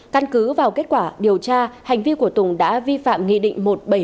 căn cứ vào kết quả điều tra hành vi của tùng đã vi phạm nghị định một trăm bảy mươi năm